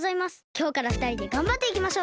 きょうからふたりでがんばっていきましょう。